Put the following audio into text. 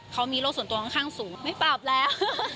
เขามีโรคส่วนตัวค่อนข้างสูงไม่ปรับแล้ว